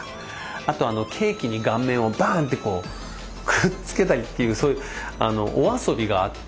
あとケーキに顔面をバンってこうくっつけたりっていうそういうお遊びがあって。